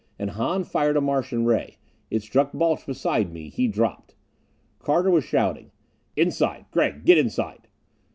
And Hahn fired a Martian ray. It struck Balch beside me. He dropped. Carter was shouting, "Inside! Gregg, get inside!"